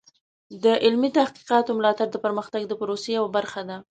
د علمي تحقیقاتو ملاتړ د پرمختګ د پروسې یوه برخه ده.